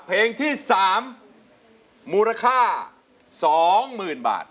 เพลงที่๓มูลค่า๒๐๐๐บาท